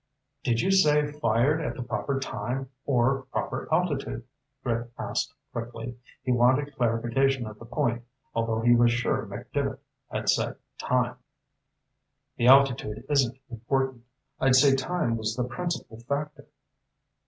"Did you say fired at the proper time, or proper altitude?" Rick asked quickly. He wanted clarification of the point, although he was sure McDevitt had said "time." "The altitude isn't important. I'd say time was the principal factor."